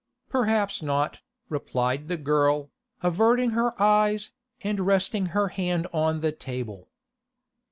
'Perhaps not,' replied the girl, averting her eyes, and resting her hand on the table.